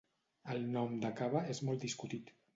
El nom de Cava és molt discutit.